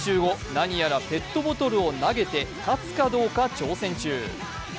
なにやらペットボトルを投げて立つかどうか挑戦中。